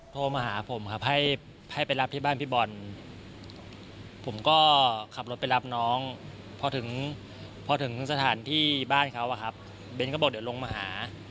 โทรมาหาผมครับให้ไปรับที่บ้านพี่บอลผมก็ขับรถไปรับน้องพอถึงพอถึงสถานที่บ้านเขาอะครับเบ้นก็บอกเดี๋ยวลงมาหา